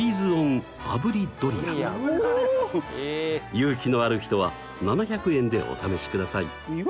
勇気のある人は７００円でお試しください。